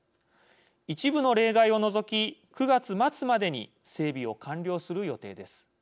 一部の例外を除き９月末までに整備を完了する予定です。